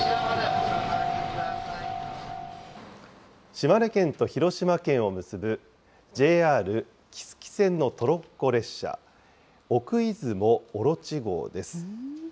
島根県と広島県を結ぶ、ＪＲ木次線のトロッコ列車、奥出雲おろち号です。